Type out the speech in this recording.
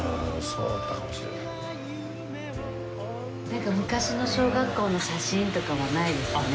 なんか昔の小学校の写真とかはないですかね？